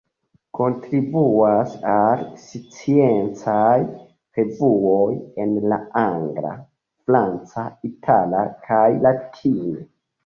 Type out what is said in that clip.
Kontribuas al sciencaj revuoj en la angla, franca, itala kaj latine.